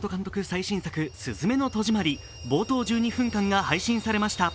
最新作「すずめの戸締まり」、冒頭１２分間が配信されました。